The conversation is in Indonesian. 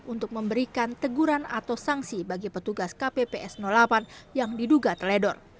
untuk memberikan teguran atau sanksi bagi petugas kpps delapan yang diduga teledor